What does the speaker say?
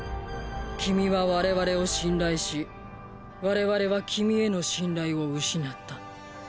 君は我々を信頼し我々は君への信頼を失った。